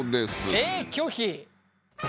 えっ拒否？